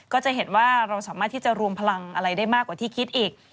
ก็จะเห็นว่าเราสามารถที่จะรวมพลังอะไรได้มากกว่าที่คิดอีก